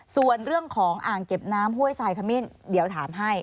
ส่วนเรื่องของอ่างเก็บน้ำห้วยทรายขมิ้นเดี๋ยวถามให้